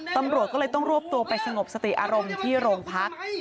ตำรวจก็เลยต้องรวบตัวไปสงบสติอารมณ์ที่โรงพัก